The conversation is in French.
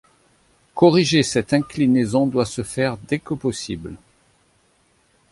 Corriger cette inclinaison doit se faire dès que possible.